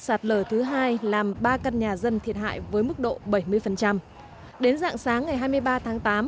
sạt lở thứ hai làm ba căn nhà dân thiệt hại với mức độ bảy mươi đến dạng sáng ngày hai mươi ba tháng tám